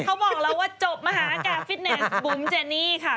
เขาบอกแล้วว่าจบมหาการฟิตเนสบุ๋มเจนี่ค่ะ